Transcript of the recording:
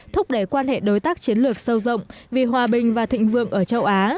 thúc đẩy quan hệ đối tác chiến lược sâu rộng vì hòa bình và thịnh vượng ở châu á